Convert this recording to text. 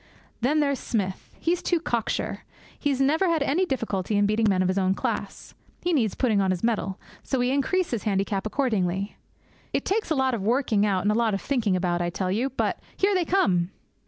Then there's Smith. He's too cocksure. He has never had any difficulty in beating men of his own class. He needs putting on his mettle. So we increase his handicap accordingly. It takes a lot of working out, and a lot of thinking about, I tell you. But here they come!'